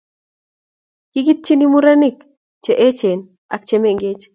kikitiny mung'arenik che echen ak che mengechen